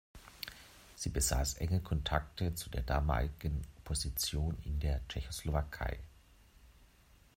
Sie besaß enge Kontakte zu der damaligen Opposition in der Tschechoslowakei.